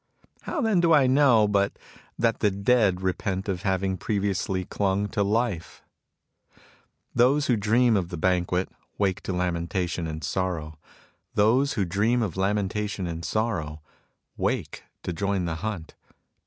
How then do I know but that the dead repent of having previously clung to life ? Those who dream of the banquet wake to lamentation and sorrow. Those who dream of lamentation and sorrow wake to join the hunt.